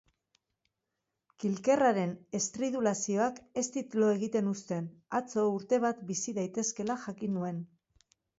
Kilkerraren estridulazioak ez dit lo egiten uzten, atzo urte bat bizi daitezkela jakin nuen